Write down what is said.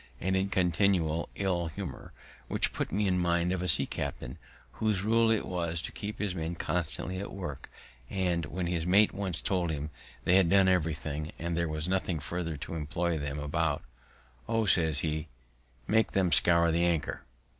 and in continual ill humour, which put me in mind of a sea captain, whose rule it was to keep his men constantly at work; and, when his mate once told him that they had done everything, and there was nothing further to employ them about, _"Oh," says he, "make them scour the anchor."